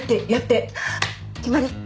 決まり。